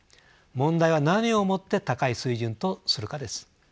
問題は何をもって高い水準とするかです。